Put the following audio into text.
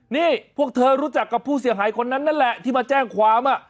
นี่พวกเธอรู้จักกับผู้เสียหายคนนั้นนั่นแหละที่มาแจ้งความ